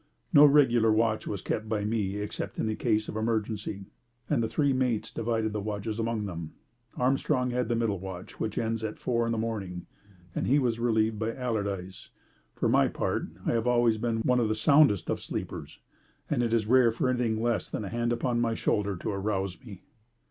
No regular watch was kept by me, except in cases of emergency, and the three mates divided the watches among them. Armstrong had the middle watch, which ends at four in the morning, and he was relieved by Allardyce. For my part I have always been one of the soundest of sleepers, and it is rare for anything less than a hand upon my shoulder to arouse me.